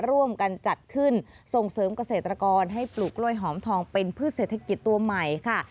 ร่วมกันจัดขึ้นส่งเสริมเกษตรกรให้ปลูกกล้วยหอมทองเป็นพืชเศรษฐกิจตัวใหม่ค่ะ